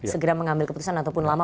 segera mengambil keputusan ataupun lama